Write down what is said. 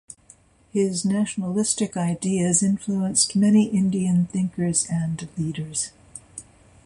His nationalistic ideas influenced many Indian thinkers and leaders.